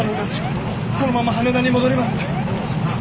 このまんま羽田に戻ります。